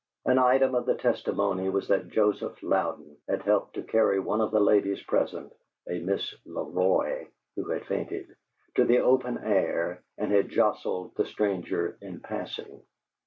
An item of the testimony was that Joseph Louden had helped to carry one of the ladies present a Miss Le Roy, who had fainted to the open air, and had jostled the stranger in passing.